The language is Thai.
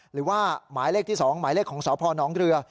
หรือว่าหมายเลขที่๒หมายเลขของสพนเรือ